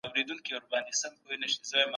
حضوري تدريس بې عملي تمرين پرته نه دی.